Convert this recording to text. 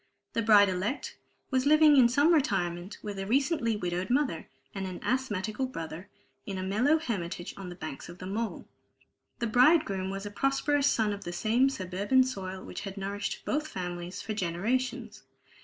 The bride elect was living in some retirement, with a recently widowed mother and an asthmatical brother, in a mellow hermitage on the banks of the Mole. The bridegroom was a prosperous son of the same suburban soil which had nourished both families for generations.